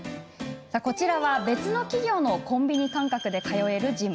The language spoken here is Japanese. こちらは別の企業のコンビニ感覚で通えるジム。